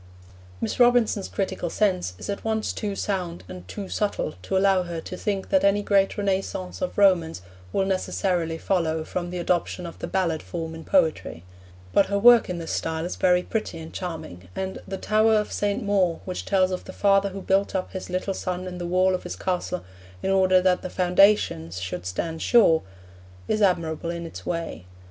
Miss Robinson's critical sense is at once too sound and too subtle to allow her to think that any great Renaissance of Romance will necessarily follow from the adoption of the ballad form in poetry; but her work in this style is very pretty and charming, and The Tower of St. Maur, which tells of the father who built up his little son in the wall of his castle in order that the foundations should stand sure, is admirable in its way.